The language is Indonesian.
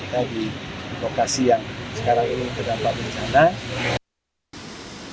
tapi juga untuk para penduduk dan para penduduk yang berada di luar kota